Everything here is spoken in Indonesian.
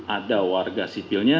ada warga sipilnya